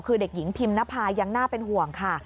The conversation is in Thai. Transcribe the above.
คือเด็กหญิงพิมนภายังน่าเป็นห่วงค่ะ